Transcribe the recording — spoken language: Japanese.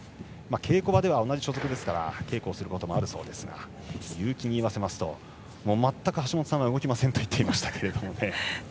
稽古場では、同じ所属なので稽古をすることもあるそうですが結城に言わせますと全く、橋本さんは動きませんと言っていました。